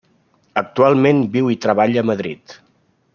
Actualment viu i treballa a Madrid.